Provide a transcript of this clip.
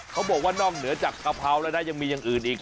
เขาบอกว่านอกเหนือจากกะเพราแล้วนะยังมีอย่างอื่นอีก